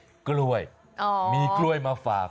อ๋อคิดว่านิ้วมือเป็นกล้วยแบบนี้อ๋อมีกล้วยมาฝาก